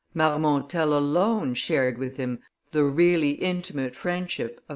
Marmontel alone shared with him the really intimate friendship of M.